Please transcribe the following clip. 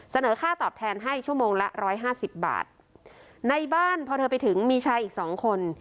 เสนอค่าตอบแทนให้ชั่วโมงละร้อยห้าสิบบาทในบ้านพอเธอไปถึงมีชายอีกสองคน